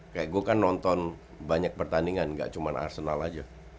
kayak gue kan nonton banyak pertandingan gak cuma arsenal aja